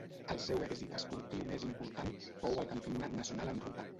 El seu èxit esportiu més important fou el Campionat nacional en ruta.